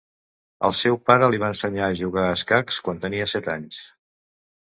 El seu pare li va ensenyar a jugar a escacs quan tenia set anys.